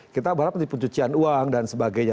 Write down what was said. kita berharap nanti pencucian uang dan sebagainya